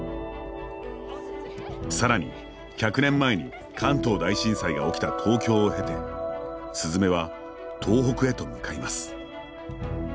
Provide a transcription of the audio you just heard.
さらに百年前に関東大震災が起きた東京を経て鈴芽は東北へと向かいます。